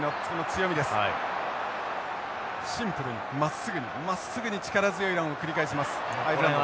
シンプルにまっすぐにまっすぐに力強いランを繰り返しますアイルランド。